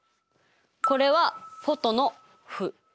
これはフォトの「フ」。